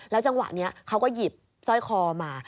แล้วจังหวะนี้เขาก็หยิบซ่อยคอมา